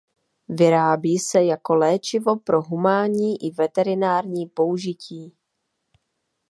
Vyrábí se jako léčivo pro humánní i veterinární použití.